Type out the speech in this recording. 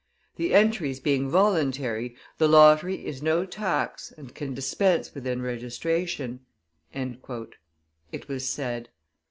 "The entries being voluntary, the lottery is no tax and can dispense with enregistration," it was said.